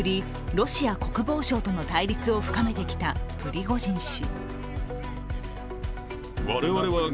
ロシア国防省との対立を深めてきたプリゴジン氏。